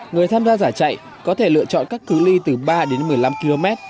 người tham gia giải chạy có thể lựa chọn các cứ ly từ ba đến một mươi năm km